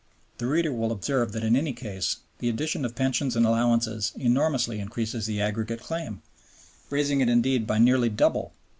The reader will observe that in any case the addition of Pensions and Allowances enormously increases the aggregate claim, raising it indeed by nearly double.